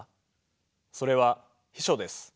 それは秘書です。